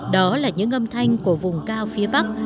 đó là những âm thanh của vùng cao phía bắc